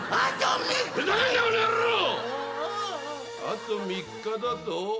あと３日だと？